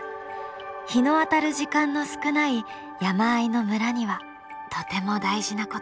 日の当たる時間の少ない山あいの村にはとても大事なこと。